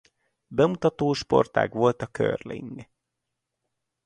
Bemutató sportág volt a curling.